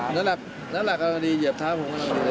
น้ำหลักเอาหน่อยดีเหยียบท้าผมก็เอาหน่อยดีเลย